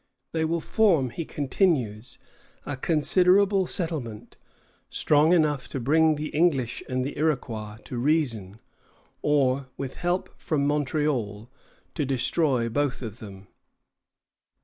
They will form, he continues, a considerable settlement, "strong enough to bring the English and the Iroquois to reason, or, with help from Montreal, to destroy both of them."